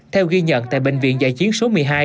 theo ghi nhận tại bệnh viện giải chiến số một mươi hai